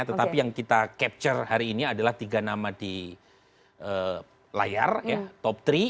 tetapi yang kita capture hari ini adalah tiga nama di layar top tiga